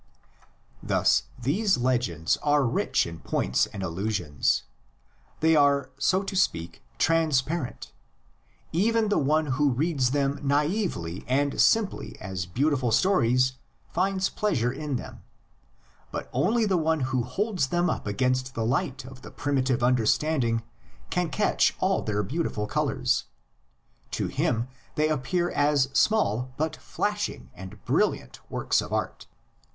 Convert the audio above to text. Thus these legends are rich in points and allu sions; they are so to speak transparent: even the one who reads them naively and simply as beautiful stories finds pleasure in them, but only the one who holds them up against the light of the primitive understanding can catch all their beautiful colors; to him they appear as small but flashing and bril liant works of art.